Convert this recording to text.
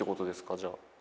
じゃあ。